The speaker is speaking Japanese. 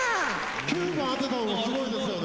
９番当てたのはすごいですよね。